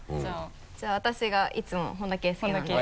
じゃあ私がいつも本田圭佑なんで。